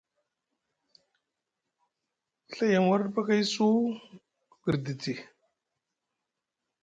Ku Ɵa yem warɗi paakay su, ku girditi.